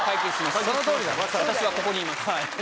私はここにいます。